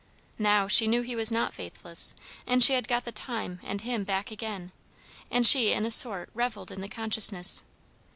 Now she knew he was not faithless, and she had got the time and him back again, and she in a sort revelled in the consciousness.